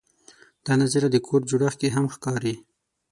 دا نظریه د کور جوړښت کې هم ښکاري.